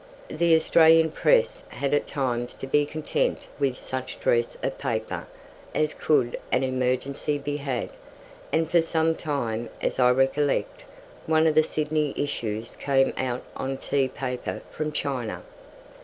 The Australian press had at times to be content with such dress of paper as could on emergency be had, and for some time, as I recollect, one of the Sydney issues came out on tea paper from China.